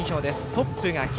トップが岸。